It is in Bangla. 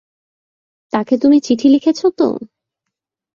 তাঁকে তুমি চিঠি লিখেছ তো?